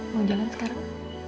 mau jalan sekarang